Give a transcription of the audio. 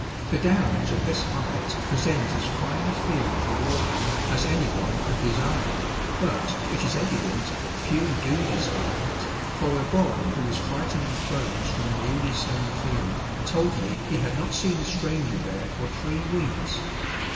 The Downs at this height present as fine a field for walking as any one could desire, but it is evident that few do desire it, for a boy who was frightening crows from a newly sown field told me he had not seen a stranger there for three weeks.